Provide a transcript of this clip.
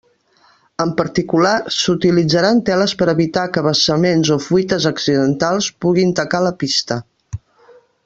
En particular, s'utilitzaran teles per evitar que vessaments o fuites accidentals puguin tacar la pista.